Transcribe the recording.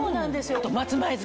あと松前漬